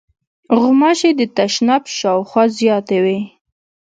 غوماشې د تشناب شاوخوا زیاتې وي.